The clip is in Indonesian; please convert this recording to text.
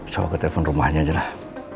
sama ke telepon rumahnya aja lah